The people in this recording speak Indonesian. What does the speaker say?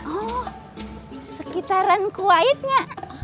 oh sekitaran kuwaitnya